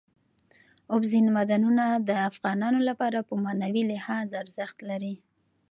اوبزین معدنونه د افغانانو لپاره په معنوي لحاظ ارزښت لري.